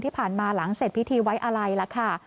ที่ผ่านมาหลังเสร็จพิธีไว้อะไรล่ะค่ะ